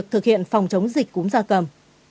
việc thực hiện phòng chống dịch cúm da cầm